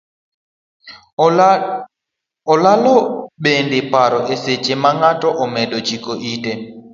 Olalo bende paro e seche ma ng'ato medo chiko ite.